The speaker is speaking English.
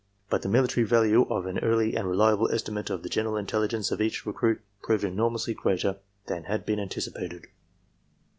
But the military value of an early and reliable estimate of the general intelligence of each recruit proved enormously greater than had been anticipated.